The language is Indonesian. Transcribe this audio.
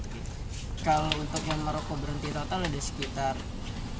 kalau untuk yang merokok berhenti total ada sekitar dua puluh ribu rupiah